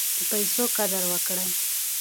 د پیسو قدر وکړئ.